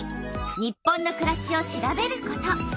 「日本のくらし」を調べること。